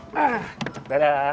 oh sudah diambil